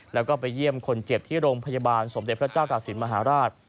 แล้วก็ไปเยี่ยมคนเจ็บที่โรงพยาบาลสมเด็จพระเจ้าตาศิลปมหาราช